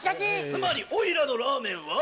つまりおいらのラーメンは？